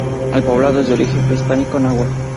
El poblado es de origen prehispánico náhua.